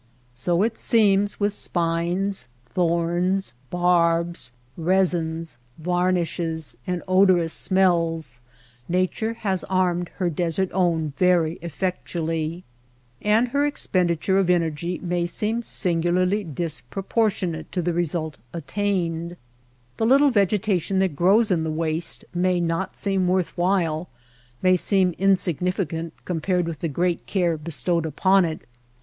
So it seems with spines, thorns, barbs, resins, varnishes and odorous smells Nature has armed her desert own very effectually. And her ex penditure of energy may seem singularly dis CACTUS AND GREASEWOOD 143 proportionate to the result attained. The little vegetation that grows in the waste may not seem worth while, may seem insignificant compared with the great care bestowed upon it.